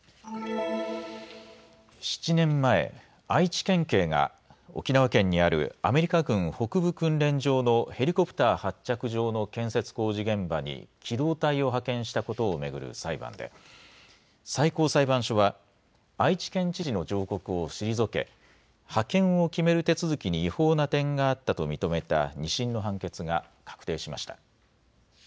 ７年前、愛知県警が、沖縄県にあるアメリカ軍北部訓練場のヘリコプター発着場の建設工事現場に、機動隊を派遣したことを巡る裁判で、最高裁判所は、愛知県知事の上告を退け、派遣を決める手続きに違法な点があったと認めた２審の判決が確定しました。